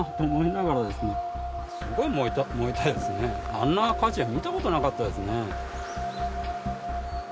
あんな火事は見たことなかったですね。